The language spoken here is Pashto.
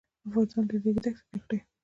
افغانستان له د ریګ دښتې ډک دی.